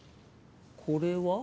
これは？